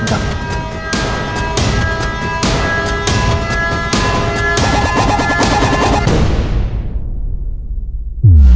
jangan lupa untuk berlangganan